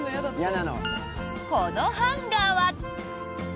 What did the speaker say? このハンガーは。